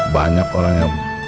banyak orang yang